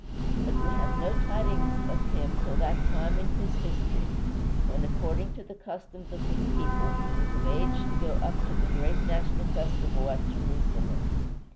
But we have no tidings of him till that time in his history when, according to the customs of his people, he was of age to go up to the great national festival at Jerusalem.